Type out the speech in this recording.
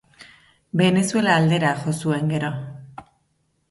Venezuela aldera jo zuen gero.